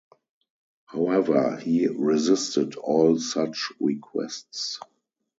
However, he resisted all such requests.